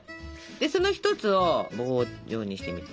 でその一つを棒状にしてみて。